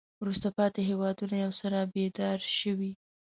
وروسته پاتې هېوادونه یو څه را بیدار شوي.